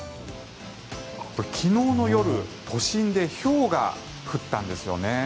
昨日の夜、都心でひょうが降ったんですよね。